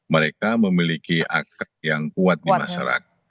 mereka memiliki akad yang kuat di masyarakat